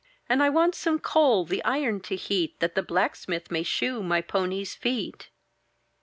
And I want some coal the iron to heat, That the blacksmith may shoe my pony's feet."